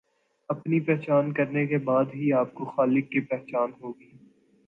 اپنی پہچان کرنے کے بعد ہی آپ کو خالق کی پہچان ہوگی۔